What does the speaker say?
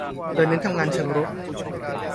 โดยเน้นการทำงานเชิงรุก